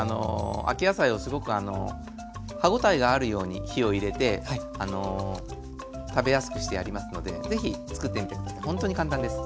秋野菜をすごく歯応えがあるように火を入れて食べやすくしてありますので是非つくってみてほんとに簡単です。